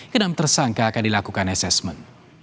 kedam tersangka akan dilakukan asesmen